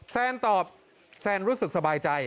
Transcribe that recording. แซนตอบแซนรู้สึกสบายใจ